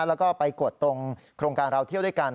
แล้วก็ไปกดตรงโครงการเราเที่ยวด้วยกัน